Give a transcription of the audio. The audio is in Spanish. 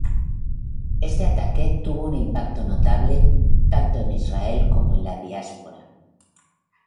Este ataque tuvo un impacto notable, tanto en Israel como en la diáspora.